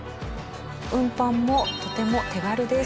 運搬もとても手軽です。